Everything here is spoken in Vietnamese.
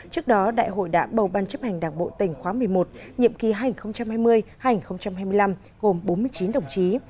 trước đó đại hội đã bầu ban chấp hành đảng bộ tỉnh khóa một mươi một nhiệm ký hành hai mươi hai mươi năm gồm bốn mươi chín đồng chí